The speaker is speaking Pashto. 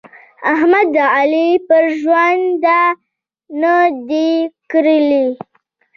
احمد د علي پر ژنده نه دي کړي.